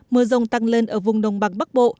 mưa rông tăng lên ở vùng đồng bằng bắc bộ